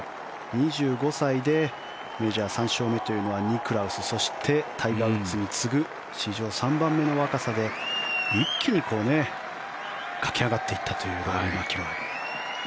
２５歳でメジャー３勝目というのはニクラウスそしてタイガー・ウッズに次ぐ史上３番目の若さで一気に駆け上がっていったというローリー・マキロイ。